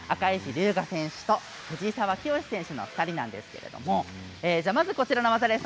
竜我選手と藤澤潔選手の２人なんですけどまず、こちらの技です！